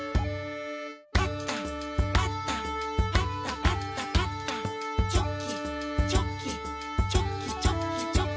「パタパタパタパタパタ」「チョキチョキチョキチョキチョキ」